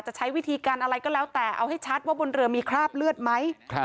ใช้วิธีการอะไรก็แล้วแต่เอาให้ชัดว่าบนเรือมีคราบเลือดไหม